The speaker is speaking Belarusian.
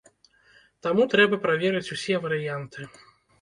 Таму трэба праверыць усе варыянты.